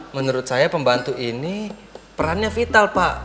menurut saya pembantu ini perannya vital pak